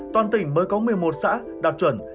toàn tỉnh mới có một mươi một xã đạt chuẩn